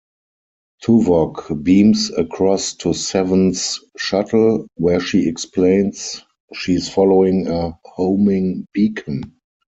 Tuvok beams across to Seven's shuttle, where she explains she's following a homing beacon.